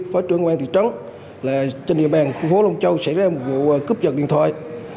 phó trưởng công an thị trấn là trên địa bàn khu phố long châu xảy ra một vụ cướp giật điện thoại